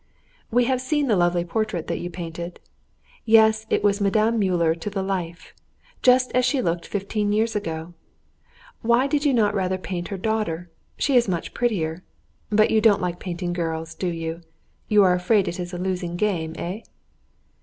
"We have seen the lovely portrait that you painted. Yes, it was Madame Müller to the life just as she looked fifteen years ago. Why did you not rather paint her daughter, she is much prettier? But you don't like painting girls, do you you are afraid it is a losing game, eh?"